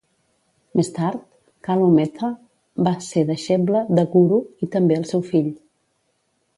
Més tard, Kalu Mehta va ser deixeble de Guru, i també el seu fill.